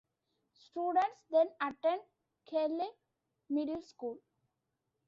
Students then attend Kelly Middle School.